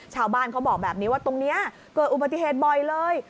ชาวบ้านเขาบอกแบบนี้ว่าตรงนี้เกิดอุบัติเหตุบ่อยเลย